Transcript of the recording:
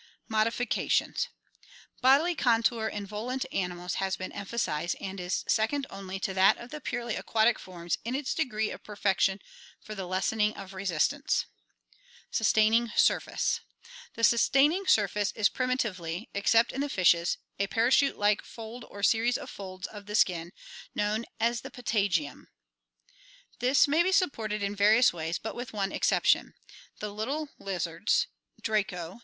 Modifications Bodily contour in volant animals has been emphasized and is second only to that of the purely aquatic forms in its degree of perfection for the lessening of resistance. Sustaining Surface. — The sustaining surface is primitively, ex cept in the fishes, a parachute like fold or series of folds of the skin known as the patagium (Lat. patagium, an edge or border). This may be supported in various ways, but with one exception, the little lizards (Draco spp.)